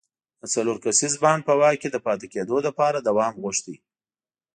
د څلور کسیز بانډ په واک کې د پاتې کېدو لپاره دوام غوښت.